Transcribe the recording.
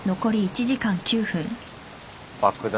爆弾